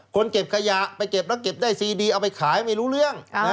เก็บขยะไปเก็บแล้วเก็บได้ซีดีเอาไปขายไม่รู้เรื่อง